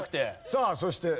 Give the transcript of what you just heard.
さあそしてねえ。